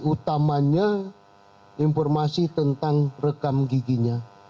utamanya informasi tentang rekam giginya